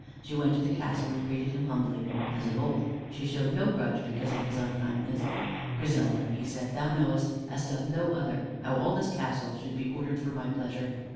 She went to the castle and greeted him humbly as of old. She showed no grudge because of his unkindness. "Griselda," he said, "thou knowest, as doth no other, how all this castle should be ordered for my pleasure.